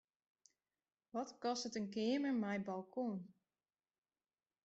Wat kostet in keamer mei balkon?